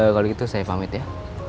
kalau gitu saya pamit ya